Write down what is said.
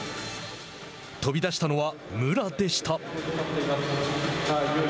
飛び出したのは武良でした。